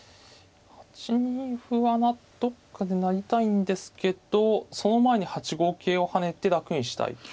８二歩はどっかで成りたいんですけどその前に８五桂を跳ねて楽にしたい。